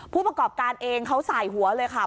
ผู้ประกอบการเองเขาสายหัวเลยค่ะ